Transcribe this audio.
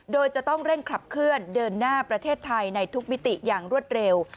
โดยจะต้องเร่งขับเคลื่อนเดินหน้าประเทศไทยในทุกมิติอย่างรวดเร็ว